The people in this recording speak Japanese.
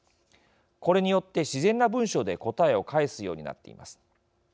これによって、自然な文章で答えを返すようになっています。